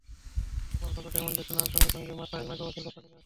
অপহরণ শব্দটাই এমন যে, শোনার সঙ্গে সঙ্গে মাথায় মাইক্রোবাসের কথা চলে আসে।